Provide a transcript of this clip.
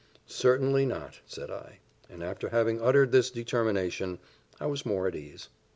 "Certainly not," said I; and after having uttered this determination, I was more at ease.